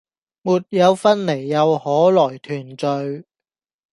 沒有分離，又可來團聚！